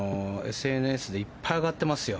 ＳＮＳでいっぱい上がってますよ。